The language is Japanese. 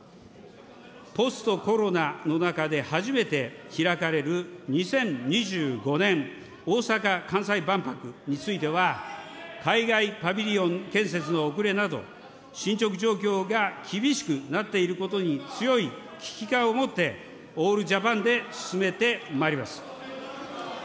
ポストコロナの中で初めて開かれる、２０２５年大阪・関西万博については、海外パビリオン建設の遅れなど、進捗状況が厳しくなっていることに強い危機感を持ってオールジャパンで進めてまいります。